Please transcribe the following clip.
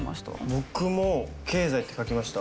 僕も経済って書きました。